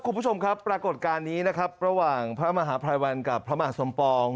คุณผู้ชมครับปรากฏการณ์นี้นะครับระหว่างพระมหาภัยวันกับพระมหาสมปอง